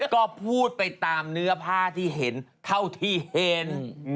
ก็พูดไปตามเนื้อผ้าที่เห็นเท่าที่เห็น